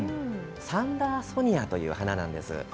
サンダーソニアという花なんです。